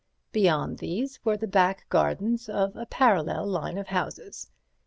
Beyond these were the back gardens of a parallel line of houses.